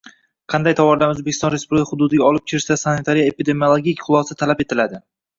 Qanday tovarlarni O’zbekiston Respublikasi hududiga olib kirishda sanitariya-epidemiologik xulosa talab etiladi?